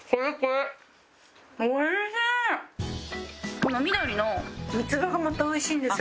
この緑の三つ葉がまた美味しいんですよ